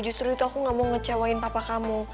justru itu aku gak mau ngecewain papa kamu